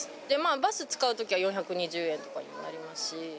バス使うときは４２０円とかにもなりますし。